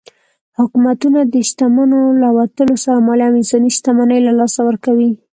حکومتونه د شتمنو له وتلو سره مالي او انساني شتمني له لاسه ورکوي.